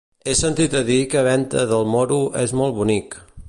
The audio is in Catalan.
He sentit a dir que Venta del Moro és molt bonic.